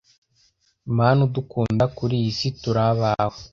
mana udukunda, kuri iyi si turi abawe